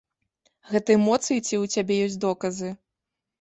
Гэта эмоцыі ці ў цябе ёсць доказы?